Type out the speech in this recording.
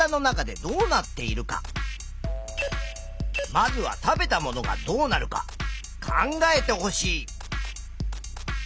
まずは食べたものがどうなるか考えてほしい。